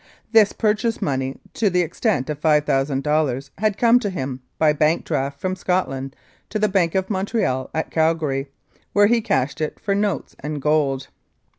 This purchase money, to the ex tent of $5,000, had come to him by bank draft from Scotland to the Bank of Montreal at Calgary, where he cashed it for notes and gold.